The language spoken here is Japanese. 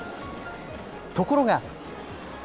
ところが。